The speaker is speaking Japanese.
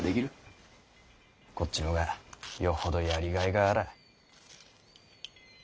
こっちのがよほどやりがいがあらぁ。